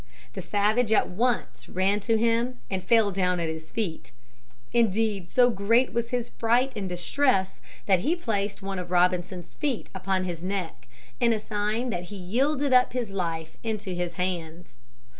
The savage at once ran to him and fell down at his feet. Indeed so great was his fright and distress that he placed one of Robinson's feet upon his neck in sign that he yielded up his life into his hands.